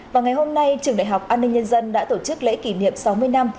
và ngày hôm nay trường đại học an ninh nhân dân đã tổ chức lễ kỷ niệm sáu mươi năm